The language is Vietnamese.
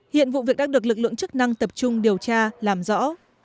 hiện vụ việc đã được lực lượng chức năng tập trung điều tra làm rõ